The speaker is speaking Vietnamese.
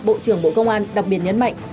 bộ trưởng bộ công an đặc biệt nhấn mạnh